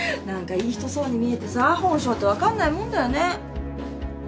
何かいい人そうに見えてさ本性って分かんないもんだよね。